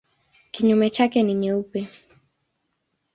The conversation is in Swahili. Kinyume chake ni nyeupe.